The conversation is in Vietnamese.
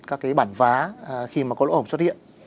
các cái bản vá khi mà có lỗ hồng xuất hiện